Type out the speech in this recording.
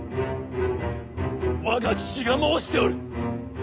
我が父が申しておる！